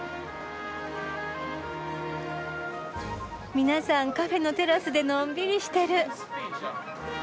皆さんカフェのテラスでのんびりしてる。